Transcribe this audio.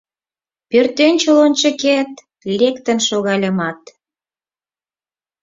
Пӧртӧнчыл ончыкет лектын шогальымат